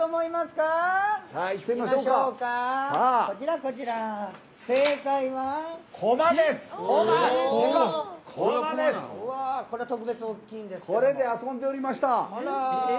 これで遊んでおりました。